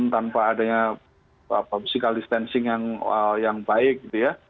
tanpa adanya physical distancing yang baik